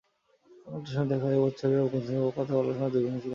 অনেক সময় দেখা যায়, পথচারীরাও মুঠোফোনে কথা বলার সময় দুর্ঘটনার শিকার হচ্ছেন।